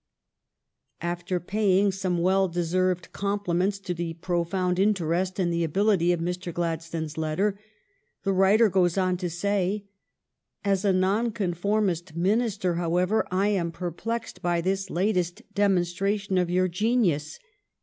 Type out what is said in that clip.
After paying some well deserved compliments to the profound interest and the abil ity of Mr. Gladstone's letter, the writer goes on to say :" As a Nonconformist minister, however, I am perplexed by this latest demonstration of your gen ius.